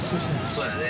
そうやね。